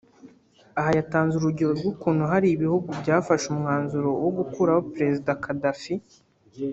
Aha yatanze urugero rw’ukuntu hari ibihugu byafashe umwanzuro wo gukuraho perezida Kadhafi